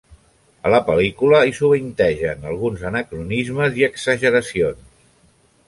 A la pel·lícula hi sovintegen alguns anacronismes i exageracions.